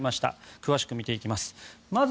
詳しく見ていきます。